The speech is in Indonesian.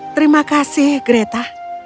terima kasih greta